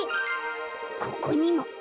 ここにも。